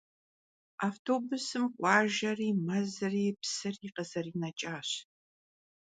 Avtobusım khuajjeri, mezri, psıri khızerineç'aş.